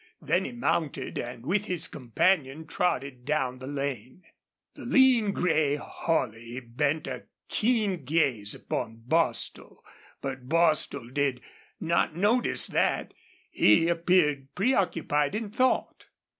Then he mounted, and with his companion trotted down the lane. The lean, gray Holley bent a keen gaze upon Bostil. But Bostil did not notice that; he appeared preoccupied in thought.